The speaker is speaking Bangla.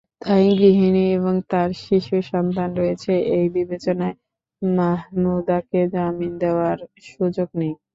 তাই গৃহিণী এবং তাঁর শিশুসন্তান রয়েছে—এই বিবেচনায় মাহমুদাকে জামিন দেওয়ার সুযোগ নেই।